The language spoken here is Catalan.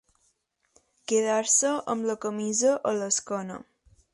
Quedar-se amb la camisa a l'esquena.